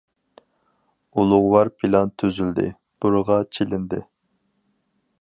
ئۇلۇغۋار پىلان تۈزۈلدى، بۇرغا چېلىندى.